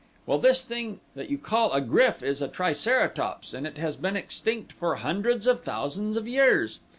Well this thing that you call a GRYF is a triceratops and it has been extinct for hundreds of thousands of years.